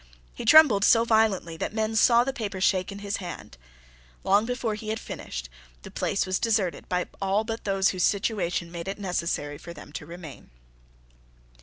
He trembled so violently that men saw the paper shake in his hand. Long before he had finished, the place was deserted by all but those whose situation made it necessary for them to remain.